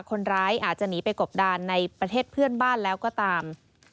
คนร้ายอาจจะหนีไปกบดานในประเทศเพื่อนบ้านแล้วก็ตาม